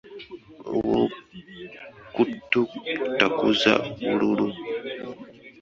Obw’okututakuza bululu.